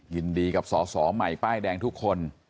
ยินดีกับสอสอใหม่ป้ายแดงทุกคน